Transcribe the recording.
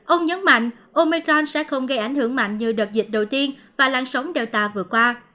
ông nhấn mạnh omicron sẽ không gây ảnh hưởng mạnh như đợt dịch đầu tiên và lăng sóng delta vừa qua